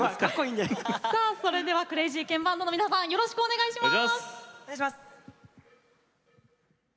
それではクレイジーケンバンドの皆さんよろしくお願いします！